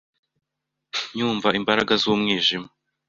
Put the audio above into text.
Nyumva, imbaraga z’ umwijima